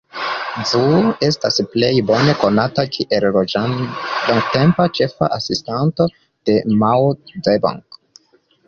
Zhou estas plej bone konata kiel longtempa ĉefa asistanto de Mao Zedong.